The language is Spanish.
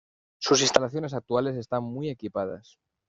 Sus instalaciones actuales están muy equipadas.